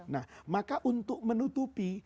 nah maka untuk menutupi